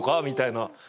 みたいな。